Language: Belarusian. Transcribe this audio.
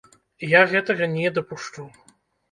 Я гэтага не дапушчу.